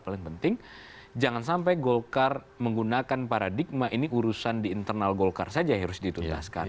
paling penting jangan sampai golkar menggunakan paradigma ini urusan di internal golkar saja yang harus dituntaskan